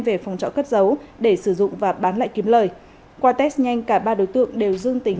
về phòng trọ cất giấu để sử dụng và bán lại kiếm lời qua test nhanh cả ba đối tượng đều dương tính